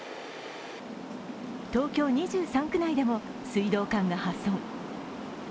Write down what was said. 東京２３区内でも水道管が破損。